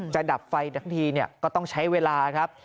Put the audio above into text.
ดับไฟทั้งทีก็ต้องใช้เวลาครับ